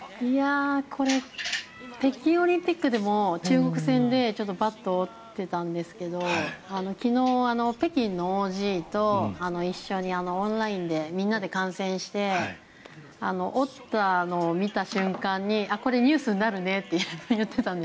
これ北京オリンピックでも中国戦でちょっとバットを折っていたんですけど昨日、北京のＯＧと一緒にオンラインでみんなで観戦して折ったのを見た瞬間にこれはニュースになるねと言っていたんです。